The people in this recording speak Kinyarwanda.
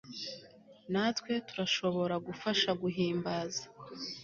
natwe, turashobora gufasha guhimbaza